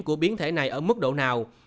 của biến thể này ở mức độ nào